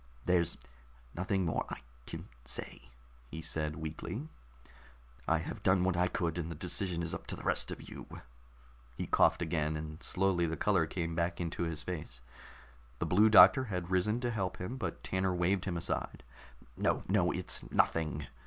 "There's nothing more I can say," he said weakly. "I have done what I could, and the decision is up to the rest of you." He coughed again, and slowly the color came back into his face. The Blue Doctor had risen to help him, but Tanner waved him aside. "No, no, it's nothing.